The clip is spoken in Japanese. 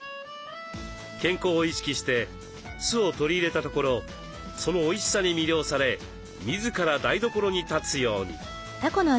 健康を意識して酢を取り入れたところそのおいしさに魅了され自ら台所に立つように。